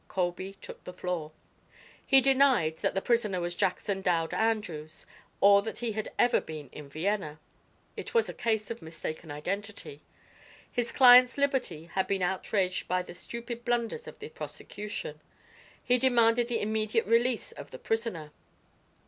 Colby took the floor. He denied that the prisoner was Jackson Dowd Andrews, or that he had ever been in Vienna. It was a case of mistaken identity. His client's liberty had been outraged by the stupid blunders of the prosecution. He demanded the immediate release of the prisoner.